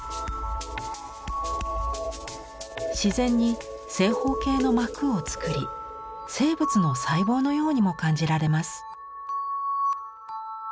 自然に正方形の膜を作り生物の細胞のようにも感じられます。